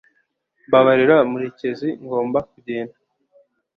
Mbabarira, murekezi, ngomba kugenda